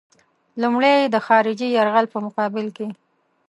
لومړی یې د خارجي یرغل په مقابل کې.